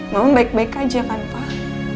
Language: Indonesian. mau baik baik aja kan pak